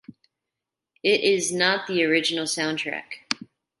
It is not the original soundtrack.